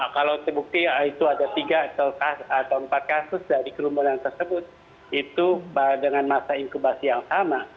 kalau terbukti itu ada tiga atau empat kasus dari kerumunan tersebut itu dengan masa inkubasi yang sama